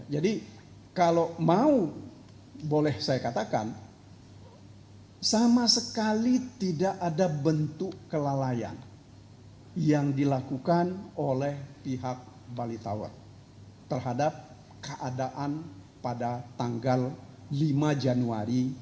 jadi kalau mau boleh saya katakan sama sekali tidak ada bentuk kelalaian yang dilakukan oleh pihak bali taur terhadap keadaan pada tanggal lima januari dua ribu dua puluh tiga